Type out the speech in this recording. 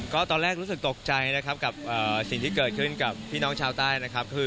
ก็ตอนแรกรู้สึกตกใจนะครับกับสิ่งที่เกิดขึ้นกับพี่น้องชาวใต้นะครับ